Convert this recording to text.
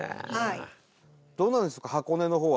「はい！」